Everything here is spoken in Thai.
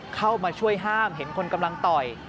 เข้ามาช่วยห้ามเห็นคนกำลังต่อย